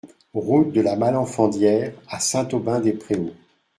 Route de la Malenfandière à Saint-Aubin-des-Préaux